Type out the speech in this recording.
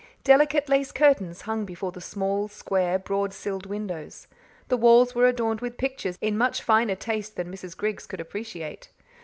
Delicate lace curtains hung before the small, square, broad silled windows. The walls were adorned with pictures in much finer taste than Mrs. Griggs could appreciate.